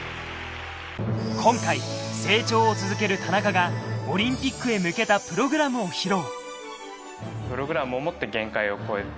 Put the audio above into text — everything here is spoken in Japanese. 今回成長を続ける田中がオリンピックへ向けたプログラムを披露